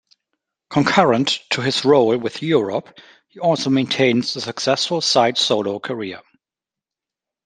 Concurrent to his role with Europe, he also maintains a successful side solo career.